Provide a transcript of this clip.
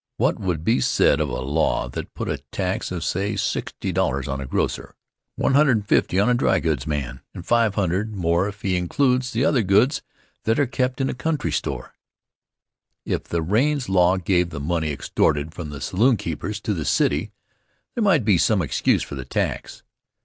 What would be said of a law that put a tax of, say $60 on a grocer, $150 on a dry goods man, and $500 more if he includes the other goods that are kept in a country store? If the Raines law gave the money extorted from the saloonkeepers to the city, there might be some excuse for the tax.